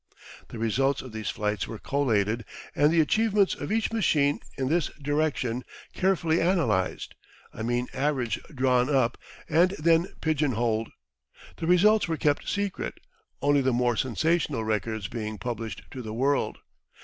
The results of these flights were collated and the achievements of each machine in this direction carefully analysed, a mean average drawn up, and then pigeon holed. The results were kept secret, only the more sensational records being published to the world.